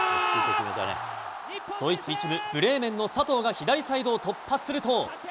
ドイツ１部・ブレーメンの佐藤が左サイトを突破すると。